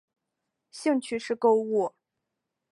兴趣是购物。